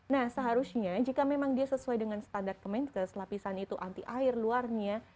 nah seharusnya jika memang dia sesuai dengan standar kemenkes lapisan itu anti air luarnya